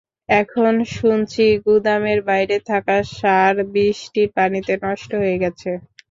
এখন শুনছি গুদামের বাইরে থাকা সার বৃষ্টির পানিতে নষ্ট হয়ে গেছে।